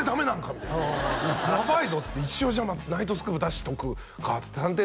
みたいなやばいぞっつって一応「ナイトスクープ」出しとくかっつって「探偵！